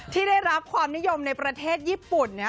ที่ได้รับความนิยมในประเทศญี่ปุ่นนะ